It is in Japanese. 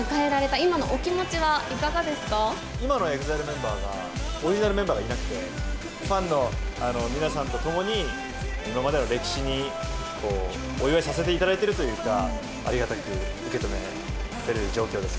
今のＥＸＩＬＥメンバーが、オリジナルメンバーがいなくて、ファンの皆さんとともに、今までの歴史にお祝いさせていただいてるというか、ありがたく受け止めている状況です。